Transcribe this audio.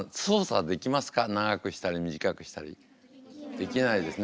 できないですね。